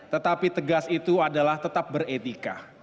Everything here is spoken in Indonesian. tetapi tegas itu adalah tetap beretika